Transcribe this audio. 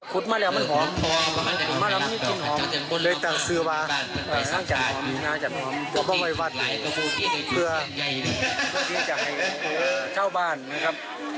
คุดมาแล้วมันหอมมาแล้วมันกินหอม